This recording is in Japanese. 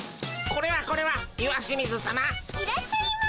これはこれは石清水さま。